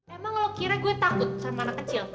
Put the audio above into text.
emang lo kiranya gue takut sama anak kecil